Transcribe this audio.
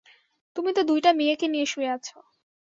তুমি তো দুইটা মেয়েকে নিয়ে শুয়ে আছ।